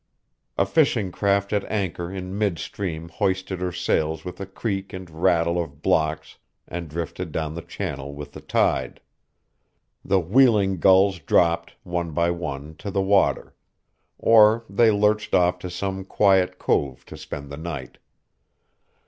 A fishing craft at anchor in mid stream hoisted her sails with a creak and rattle of blocks and drifted down the channel with the tide. The wheeling gulls dropped, one by one, to the water; or they lurched off to some quiet cove to spend the night.